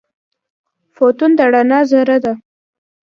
فوتون د رڼا ذره ده.